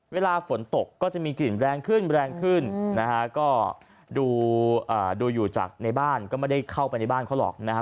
เวลาฝนตกก็จะมีกลิ่นแรงขึ้นแรงขึ้นนะฮะก็ดูอยู่จากในบ้านก็ไม่ได้เข้าไปในบ้านเขาหรอกนะครับ